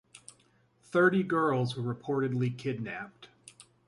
Thirty girls were reportedly kidnapped.